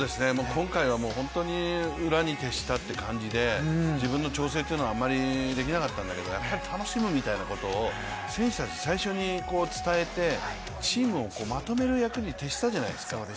今回は本当に裏に徹したっていう感じで自分の調整というのを、あんまりできなかったんだけどやっぱり楽しむみたいなことを選手たちに最初に伝えてチームをまとめる役に徹したじゃないですか。